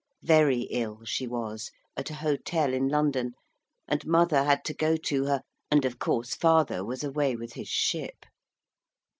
Very ill she was, at a hotel in London, and mother had to go to her, and, of course, father was away with his ship.